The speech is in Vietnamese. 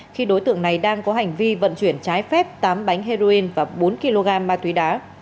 khi đối tượng này đang có hành vi vận chuyển trái phép tám bánh heroin và bốn kg ma túy đá